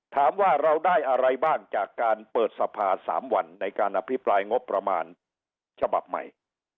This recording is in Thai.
ถามว่าเราได้อะไรบ้างจากการเปิดสภา๓วันในการอภิปรายงบประมาณฉบับใหม่